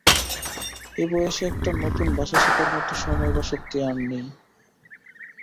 এ বয়সে একটা নূতন ভাষা শেখার মত সময় বা শক্তি আর নেই।